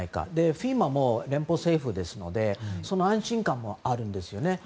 ＦＥＭＡも連邦政府ですのでその安心感もあるんですよね。